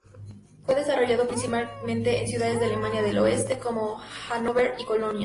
Fue desarrollado principalmente en ciudades de Alemania del oeste, como Hanóver y Colonia.